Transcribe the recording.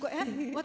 私？